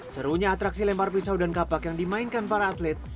serunya atraksi lempar pisau dan kapak yang dimainkan para atlet